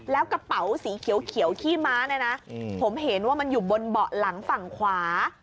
แล้วกระเป๋าสีเขียวขี้ม้าเนี่ยนะผมเห็นว่ามันอยู่บนเบาะหลังฝั่งขวา